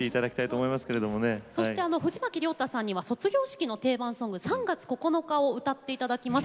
藤巻亮太さんには卒業式の定番ソング「３月９日」を歌っていただきます。